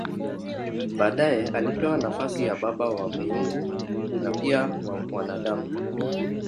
Baadaye alipewa nafasi ya baba wa miungu na pia wa wanadamu.